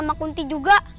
sama kunti juga